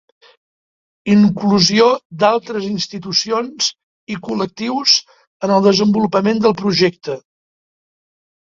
Inclusió d'altres institucions i col·lectius en el desenvolupament del projecte.